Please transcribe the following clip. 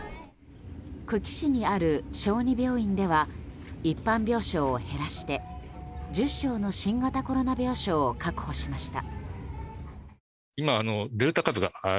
久喜市にある小児病院では一般病床を減らして１０床の新型コロナ病床を確保しました。